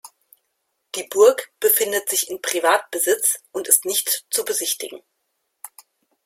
Die Burg befindet sich in Privatbesitz und ist nicht zu besichtigen.